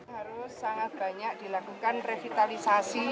harus sangat banyak dilakukan revitalisasi